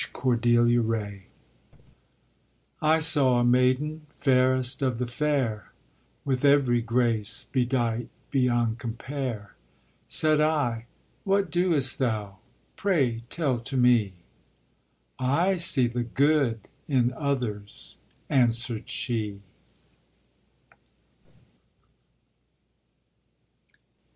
CORDELIA RAY I saw a maiden, fairest of the fair, With every grace bedight beyond compare. Said I, "What doest thou, pray, tell to me!" "I see the good in others," answered she.